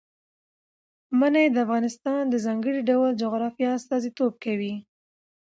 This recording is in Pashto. منی د افغانستان د ځانګړي ډول جغرافیه استازیتوب کوي.